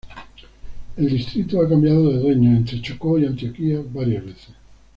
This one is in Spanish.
El distrito ha cambiado de dueños entre Chocó y Antioquia varias veces.